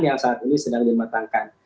yang saat ini sedang dimatangkan